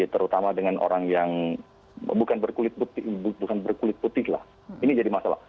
terutama dengan orang yang bukan berkulit putih